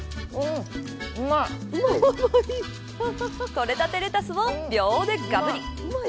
とれたてレタスを秒でがぶり。